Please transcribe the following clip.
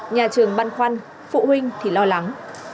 nhà trường băn khoăn phụ huynh thì lo lắng